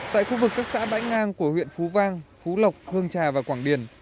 tại khu vực các xã bãi ngang của huyện phú vang phú lộc hương trà và quảng điền